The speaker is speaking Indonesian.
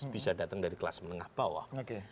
bisa datang dari kelas menengah bawah